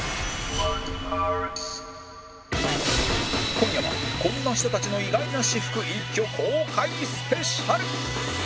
今夜はこんな人たちの意外な私服一挙公開スペシャル！